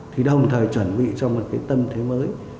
thì đồng thời chuẩn bị cho một cái tâm thế mới